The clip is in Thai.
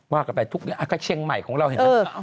ว่ากันไปทุกเชียงใหม่ของเราเห็นไหม